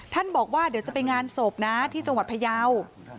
บอกว่าเดี๋ยวจะไปงานศพนะที่จังหวัดพยาว